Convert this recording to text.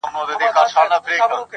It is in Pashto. دا چا ويل چي له هيواده سره شپې نه كوم,